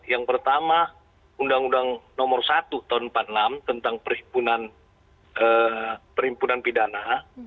yang pertama undang undang nomor satu tahun empat puluh enam tentang perhimpunan pidana